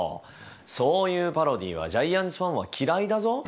そういうパロディーはジャイアンツファンは嫌いだぞ。